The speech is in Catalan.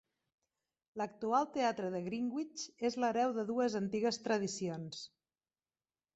L'actual Teatre de Greenwich és l'hereu de dues antigues tradicions.